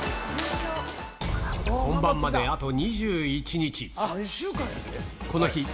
本番まであと２１日。